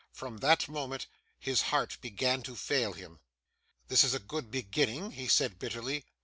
From that moment, his heart began to fail him. 'This is a good beginning,' he said bitterly.